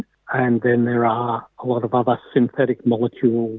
dan kemudian ada banyak molekul sintetik lainnya